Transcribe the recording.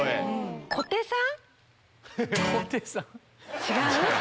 小手さん